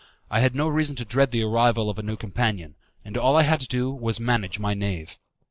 I had no reason to dread the arrival of a new companion, and all I had to do was to manage my knave.